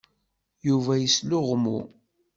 Yuba yesluɣmu.